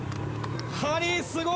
ハリーすごい。